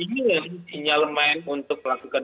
ini yang sinyal main untuk melakukan